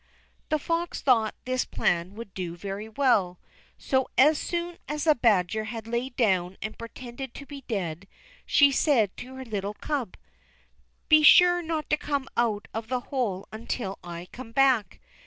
The fox thought this plan would do very well; so, as soon as the badger had lain down and pretended to be dead, she said to her little Cub: "Be sure not to come out of the hole until I come back.